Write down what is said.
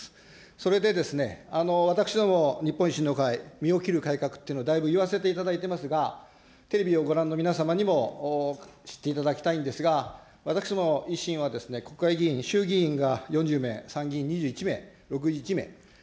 それでですね、私ども日本維新の会、身を切る改革っていうのをだいぶ言わせていただいていますが、テレビをご覧の皆様にも知っていただきたいんですが、私ども維新は、国会議員、衆議院が４０名、参議院２１名、１名。